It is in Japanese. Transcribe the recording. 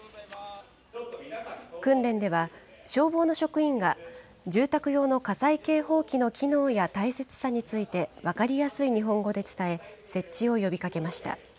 訓練では、消防の職員が住宅用の火災警報器の機能や大切さについて分かりやすい日本語で伝え、設置を呼びかけました。